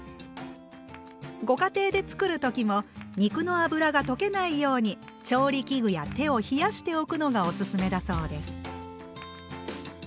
ご家庭で作る時も肉の脂が溶けないように調理器具や手を冷やしておくのがおすすめだそうです。